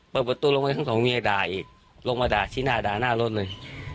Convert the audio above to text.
เปิดประตูลงไปทั้งสองเมียด่าอีกลงมาด่าชี้หน้าด่าหน้ารถเลย